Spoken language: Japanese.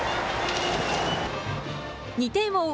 ２点を追う